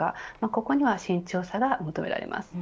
ここには慎重さが求められます。